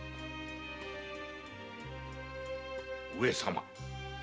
上様。